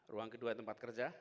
ruang kedua tempat kerja